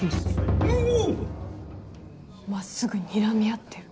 ぬわっ⁉真っすぐにらみ合ってる？